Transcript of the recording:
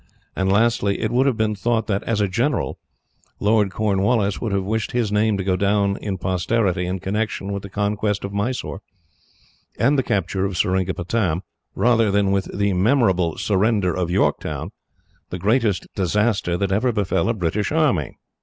And, lastly, it would have been thought that, as a general, Lord Cornwallis would have wished his name to go down to posterity in connection with the conquest of Mysore, and the capture of Seringapatam, rather than with the memorable surrender of York Town, the greatest disaster that ever befell a British army.